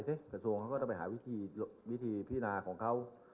จะทงเค้าก็ไปหาวิธีพินาภาพของเค้า